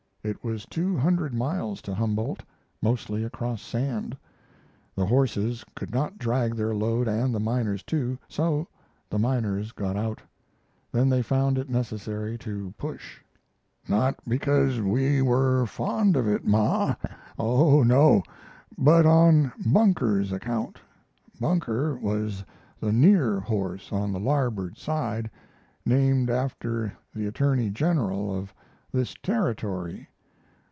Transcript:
It was two hundred miles to Humboldt, mostly across sand. The horses could not drag their load and the miners too, so the miners got out. Then they found it necessary to push. Not because we were fond of it, Ma oh, no! but on Bunker's account. Bunker was the "near" horse on the larboard side, named after the attorney general of this Territory.